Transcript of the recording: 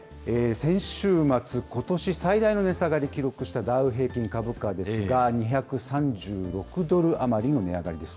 先週末、ことし最大の値下がりを記録したダウ平均株価ですが、２３６ドル余りの値上がりです。